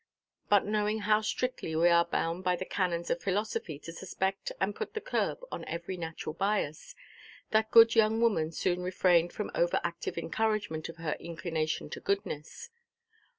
But, knowing how strictly we are bound by the canons of philosophy to suspect and put the curb on every natural bias, that good young woman soon refrained from over–active encouragement of her inclination to goodness.